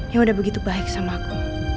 yang udah begitu baik sama aku